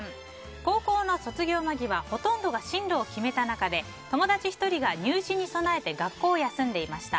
高校の卒業間際ほとんどが進路を決めた中で友達１人が入試に備えて学校を休んでいました。